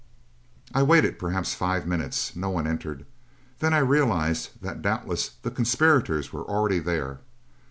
I waited perhaps five minutes. No one entered. Then I realized that doubtless the conspirators were already there.